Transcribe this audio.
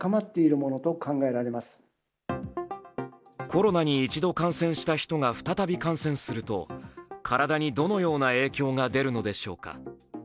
コロナに１度感染した人が再び感染すると体にどのような影響が出るのでしょうか。